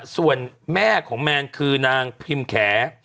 ส่วนแม่ของแมนคือนางพิมพ์แข